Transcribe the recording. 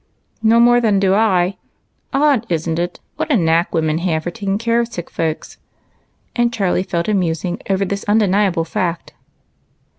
" No more do I. Odd, is n't it, what a knack women have for taking care of sick folks?" and Charlie fell a musing over this undeniable fact.